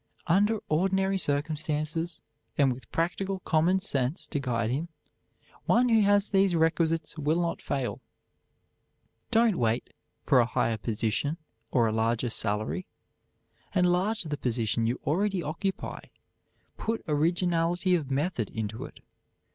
Under ordinary circumstances, and with practical common sense to guide him, one who has these requisites will not fail. Don't wait for a higher position or a larger salary. Enlarge the position you already occupy; put originality of method into it.